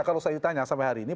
kalau saya ditanya sampai hari ini